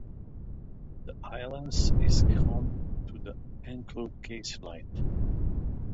The island is home to the Anclote Keys Light.